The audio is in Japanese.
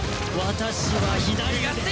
私は左腕。